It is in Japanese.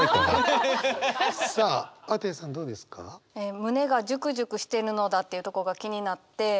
「胸がジュクジュクしてるのだ」っていうとこが気になって。